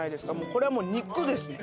これはもう肉ですね。